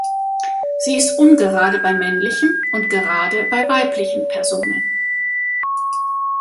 Sie ist ungerade bei männlichen und gerade bei weiblichen Personen.